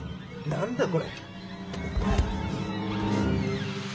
何だこれ？